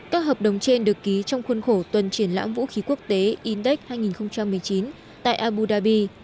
các hợp đồng trên được ký trong khuôn khổ tuần triển lãm vũ khí quốc tế index hai nghìn một mươi chín tại abu dhabi